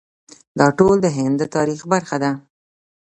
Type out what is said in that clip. دا ټول د هند د تاریخ برخه ده.